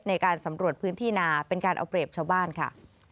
ในการสำรวจพื้นที่นาเป็นการเอาเปรียบชาวบ้านค่ะ